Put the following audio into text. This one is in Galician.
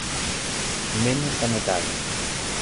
Menos da metade.